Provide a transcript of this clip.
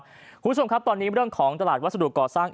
คุณผู้ชมครับตอนนี้เรื่องของตลาดวัสดุก่อสร้าง